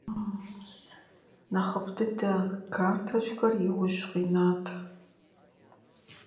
Оставалась одна, последняя, лучшая карточка.